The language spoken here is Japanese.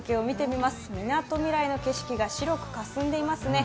みなとみらいの景色が白く霞んでいますね。